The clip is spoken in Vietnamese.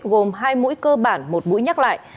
gồm hai mũi cơ bản một mũi nhắc lại